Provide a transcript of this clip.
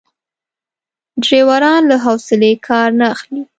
ډریوران له حوصلې کار نه اخلي.